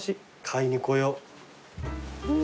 買いに来よう。